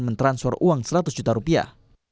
mentransfer uang seratus juta rupiah